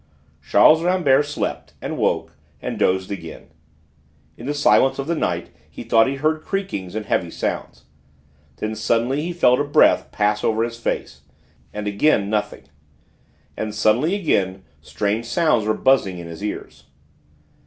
Charles Rambert slept, and woke, and dozed again. In the silence of the night he thought he heard creakings and heavy sounds. Then suddenly he felt a breath pass over his face and again nothing! And suddenly again strange sounds were buzzing in his ears.